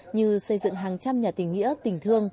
như xây dựng hàng trăm nhà tình nghĩa tình thương